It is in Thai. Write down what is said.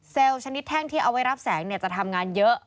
ชนิดแท่งที่เอาไว้รับแสงจะทำงานเยอะ